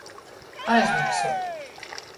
Aizmoksuot.